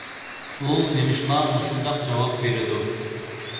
ئۇ نېمىشقا مۇشۇنداق جاۋاب بېرىدۇ؟